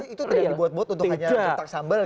itu tidak dibuat buat untuk hanya minta sambal